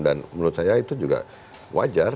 dan menurut saya itu juga wajar